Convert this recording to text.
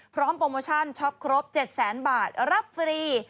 พร้อมโปรโมชั่นช็อปครบ๗แสนบาทรับฟรี